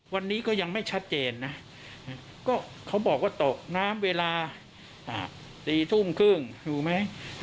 วันนี้ก็ยังไม่ชัดเจนนะก็เขาบอกว่าตกน้ำเวลา๔ทุ่มครึ่งถูกไหม